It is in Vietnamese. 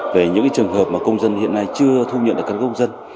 về những trường hợp mà công dân hiện nay chưa thu nhận